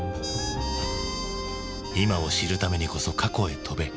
今を知るためにこそ過去へ飛べ。